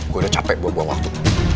gue udah capek buang buang waktu